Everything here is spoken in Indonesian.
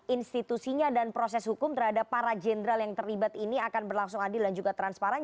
institusinya dan proses hukum terhadap para jenderal yang terlibat ini akan berlangsung adil dan juga transparan